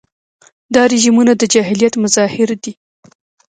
دا رژیمونه د جاهلیت مظاهر دي.